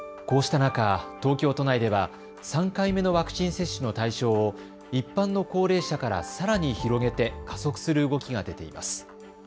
こうした中、東京都内では３回目のワクチン接種の対象を一般の高齢者からさらに広げて加速する動きが出ています。